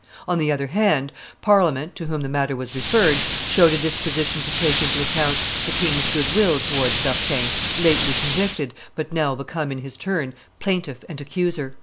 On the other hand, Parliament, to whom the matter was referred, showed a disposition to take into account the king's good will towards Berquin, lately convicted, but now become in his turn plaintiff and accuser.